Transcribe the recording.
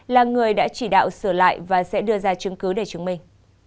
là người đã chỉ đạo sửa lại và sẽ đưa ra chứng cứ để chứng minh